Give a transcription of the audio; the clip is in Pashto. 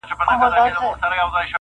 څه عجيبه غوندي حالت دى په يوه وجود کي ,